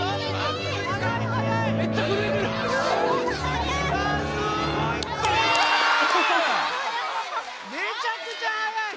めちゃくちゃはやい！